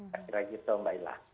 kira kira gitu mbak ila